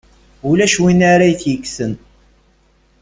Ulac win ara iyi-tt-yekksen.